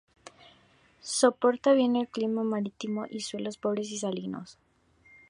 Soporta bien el clima marítimo y suelos pobres y salinos.